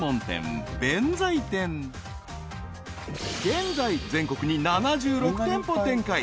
［現在全国に７６店舗展開］